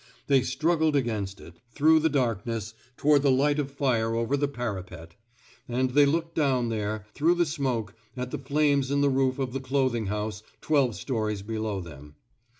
They struggled against it, through 196 TRAINING SALLY ^' WATERS the darkness, toward the light of fire over the parapet; and they looked down there, through the smoke, at the flames in the roof of the clothing house twelve stories below them.